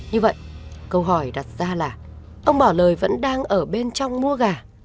như vậy câu hỏi đặt ra là ông bà lợi vẫn đang ở bên trong mua gà